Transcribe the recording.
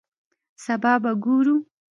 سبا به ګورو